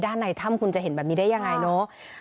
ในถ้ำคุณจะเห็นแบบนี้ได้ยังไงเนอะ